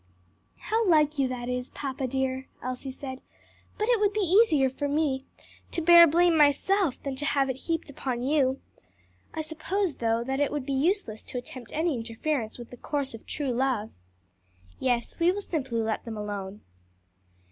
'" "How like you that is, papa dear," Elsie said; "but it would be easier to me to bear blame myself than to have it heaped upon you. I suppose, though, that it would be useless to attempt any interference with the course of true love?" "Yes; we will simply let them alone."